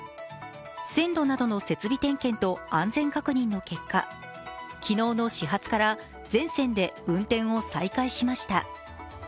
線路などの設備点検と安全確認の結果昨日の始発から全線で運転を再開しました。